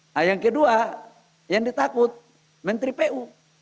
nah yang kedua yang ditakut menteri pu